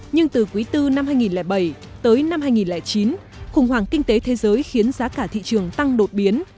nhưng từ quý bốn năm hai nghìn bảy tới năm hai nghìn chín khủng hoảng kinh tế thế giới khiến giá cả thị trường tăng đột biến